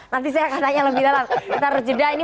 nanti saya akan tanya lebih dalam kita rujeda ini